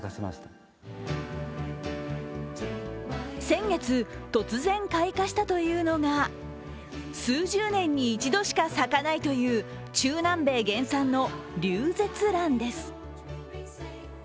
先月、突然開花したというのが数十年に一度しか咲かないという中南米原産のリュウゼツランです。